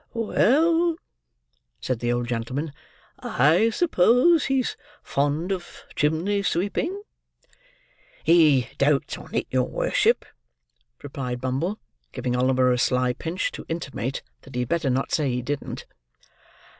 "Well," said the old gentleman, "I suppose he's fond of chimney sweeping?" "He doats on it, your worship," replied Bumble; giving Oliver a sly pinch, to intimate that he had better not say he didn't.